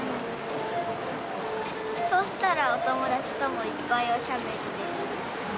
そうしたら、お友達ともいっぱいおしゃべりできるし。